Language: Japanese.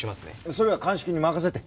それは鑑識に任せて。